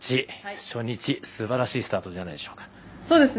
初日、すばらしいスタートじゃないでしょうか。